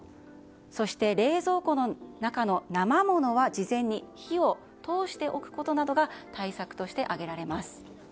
そして、冷蔵庫の中の生ものは事前に火を通しておくことなどが対策として挙げられます。